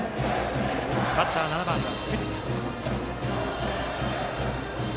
バッター、７番の藤田。